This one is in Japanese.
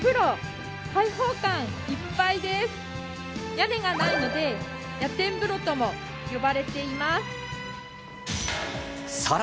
屋根がないので野天風呂とも呼ばれています。